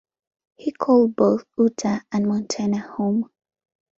He called both Utah and Montana home.